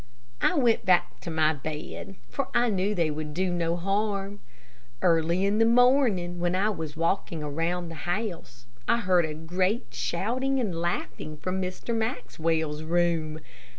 I went back to my bed, for I knew they would do no harm. Early in the morning, when I was walking around the house, I heard a great shouting and laughing from Mr. Maxwell's room.